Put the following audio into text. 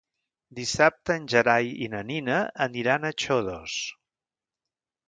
Dissabte en Gerai i na Nina aniran a Xodos.